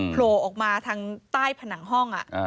โผล่ออกมาทางใต้ผนังห้อง